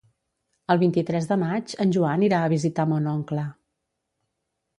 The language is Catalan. El vint-i-tres de maig en Joan irà a visitar mon oncle.